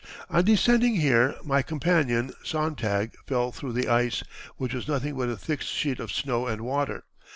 On descending here my companion (Sontag) fell through the ice, which was nothing but a thick sheet of snow and water.